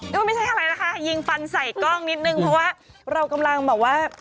ก็ไม่ใช่อะไรนะคะยิงฟันใส่กล้องนิดนึงเพราะว่าเรากำลังแบบว่า